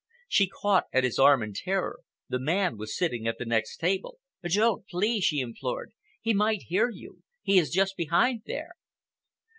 She caught at his arm in terror. The man was sitting at the next table. "Don't, please!" she implored. "He might hear you. He is just behind there."